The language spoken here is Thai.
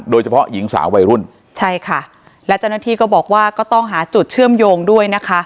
โดยเฉพาะหญิงสาววัยรุ่นใช่ค่ะและเจ้าหน้าที่ก็บอกว่าก็ต้องหาจุดเชื่อมโยงด้วยนะคะ